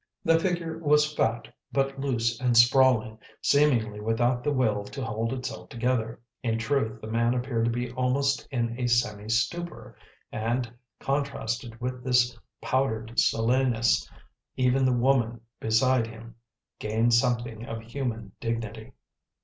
The figure was fat, but loose and sprawling, seemingly without the will to hold itself together; in truth the man appeared to be almost in a semi stupor, and, contrasted with this powdered Silenus, even the woman beside him gained something of human dignity.